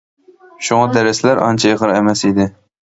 شۇڭا دەرسلەر ئانچە ئېغىر ئەمەس ئىدى.